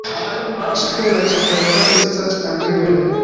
Super la ĉefaltaro estas anĝeloj.